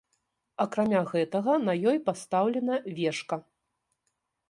Акрамя гэтага, на ёй пастаўлена вежка.